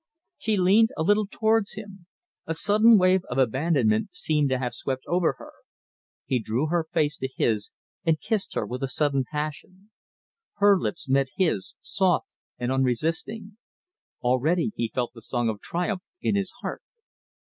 She leaned a little towards him. A sudden wave of abandonment seemed to have swept over her. He drew her face to his and kissed her with a sudden passion. Her lips met his soft and unresisting. Already he felt the song of triumph in his heart.